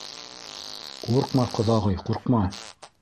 — Ҡурҡма, ҡоҙағый, ҡурҡма.